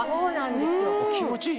あっ気持ちいい。